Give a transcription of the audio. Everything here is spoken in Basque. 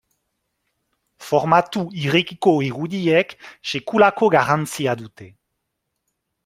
Formatu irekiko irudiek sekulako garrantzia dute.